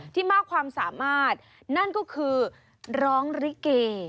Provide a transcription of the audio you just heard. มากความสามารถนั่นก็คือร้องริเก